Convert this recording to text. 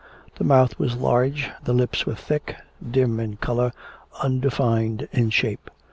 The mouth was large, the lips were thick, dim in colour, undefined in shape.